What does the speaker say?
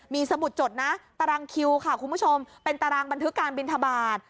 มีสมุดจดนะตารางคิวค่ะคุณผู้ชมเป็นตารางบันทึกการบินทบาท